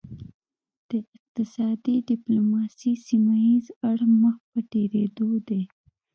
د اقتصادي ډیپلوماسي سیمه ایز اړخ مخ په ډیریدو دی